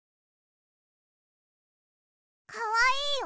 かわいいよ。